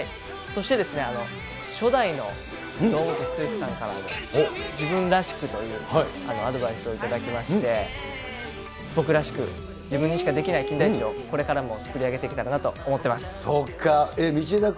そして、初代の堂本剛さんから、自分らしくというアドバイスを頂きまして、僕らしく、自分にしかできない金田一を、これからも作り上げていそっか。